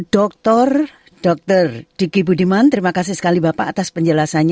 dokter dr diki budiman terima kasih sekali bapak atas penjelasannya